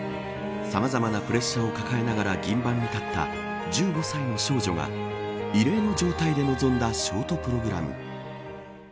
さまざまなプレッシャーを抱えながら銀盤に立った１５歳の少女が異例の状態で臨んだショートプログラム。